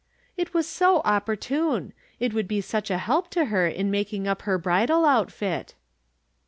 " It was so opportune ; it would be such a help to her in making up her bridal outfit."